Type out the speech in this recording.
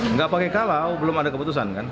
nggak pakai kalau belum ada keputusan kan